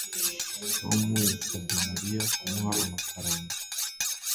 tom yasabye mariya kumuha amafaranga